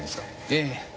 ええ。